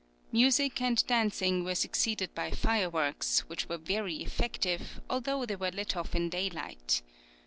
Music and dancing were succeeded by fireworks, which were very effective, although they were let off in daylight.